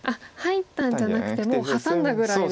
入ったんじゃなくてもうハサんだぐらいの。